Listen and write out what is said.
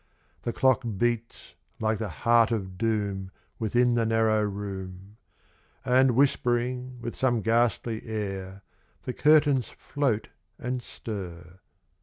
The clock beats like the heart of Doom Within the narrow room ; And whispering with some ghastly air The curtains float and stir.